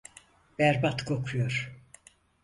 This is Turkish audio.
Berbat kokuyor.